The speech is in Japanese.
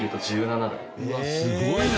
うわっすごいな。